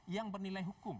yang bernilai hukum